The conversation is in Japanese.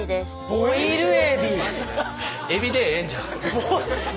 エビでええんちゃう？